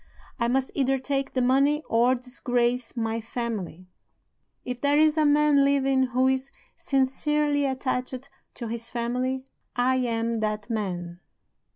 I must either take the money or disgrace my family. If there is a man living who is sincerely attached to his family, I am that man.